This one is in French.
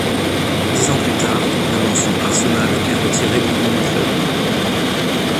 Dix ans plus tard, la mention Arsenal est retirée du nom du club.